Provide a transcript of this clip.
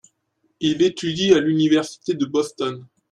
Il étudie à l'université de Boston.